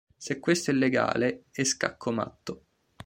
Se questo è illegale, è scacco matto.